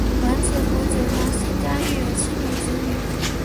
完子和九条幸家育有七名子女。